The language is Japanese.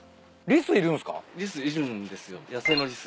リスいるんすか？